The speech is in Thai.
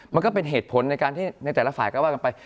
มันก็เป็นเหตุผลในการที่ในแต่ละฝ่ายก็ว่ากันไป